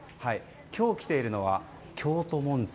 今日来ているのは京都紋付。